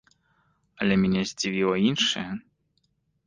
Але мяне здзівіла іншае.